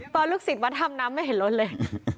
ตอนลูกศิษย์มาทำน้ำไม่เห็นล้นเลย